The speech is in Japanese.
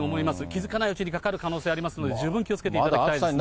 気付かないうちにかかる可能性ありますので、十分気をつけていただきたいですね。